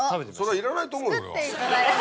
それはいらないと思うよ。